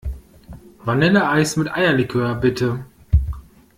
Vanilleeis mit Eierlikör, bitte.